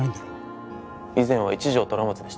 以前は一条虎松でしたね。